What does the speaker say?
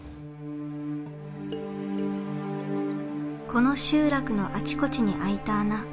この集落のあちこちに開いた穴。